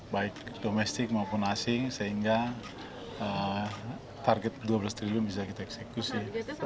baik domestik maupun asing sehingga target dua belas triliun bisa kita eksekusi